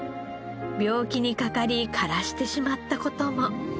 病気にかかり枯らしてしまった事も。